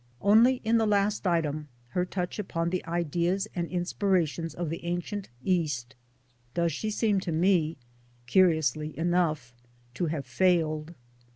Only in the last item her touch upon the ideas and inspirations of the ancient East does she seem to me, curiously enough, to have failed.